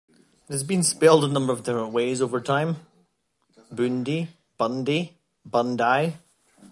It has been spelled a number of different ways over time, Boondi, Bundi, Bundye.